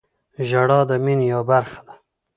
• ژړا د مینې یوه برخه ده.